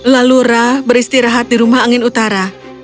lalu ra beristirahat di rumah angin utara